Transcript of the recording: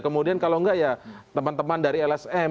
kemudian kalau enggak ya teman teman dari lsm